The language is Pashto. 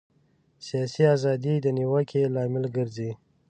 سیاسي ازادي د نیوکې لامل ګرځي.